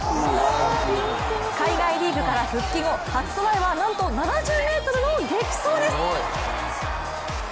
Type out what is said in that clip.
海外リーグから復帰後初トライは、なんと７０ｍの激走です。